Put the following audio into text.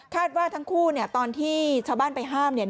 ว่าทั้งคู่เนี่ยตอนที่ชาวบ้านไปห้ามเนี่ย